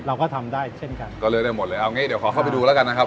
เราก็ทำได้เช่นกันก็เลือกได้หมดเลยเอางี้เดี๋ยวขอเข้าไปดูแล้วกันนะครับ